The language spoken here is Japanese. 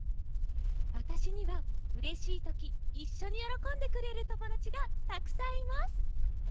わたしにはうれしいときいっしょによろこんでくれるともだちがたくさんいます。